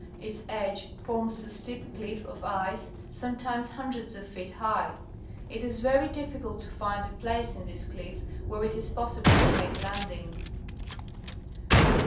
Its edge forms a steep cliff of ice, sometimes hundreds of feet high. It is very difficult to find a place in this cliff where it is possible to make a landing.